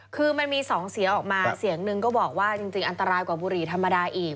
คือมันมีสองเสียงออกมาเสียงหนึ่งก็บอกว่าจริงอันตรายกว่าบุหรี่ธรรมดาอีก